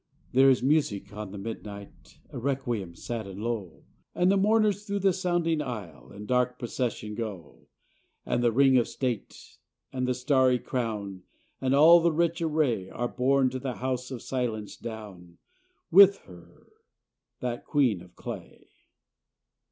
There is music on the midnight, — A requiem sad and slow. As the mourners through the sounding aisle In dark procession go ; And the ring of state, and the starry crown, And all the rich array, Are borne to the house of silence down, With her, that queen of clay!